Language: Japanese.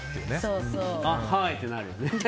あ、はいってなるよね。